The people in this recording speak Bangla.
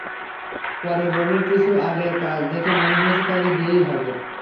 পরে রনির কিছু আগের কাজ দেখে মনে হয়েছে, তাঁকে দিয়েই হবে।